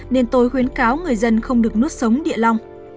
nên tôi khuyến cáo người dân không được nuốt sống địa lòng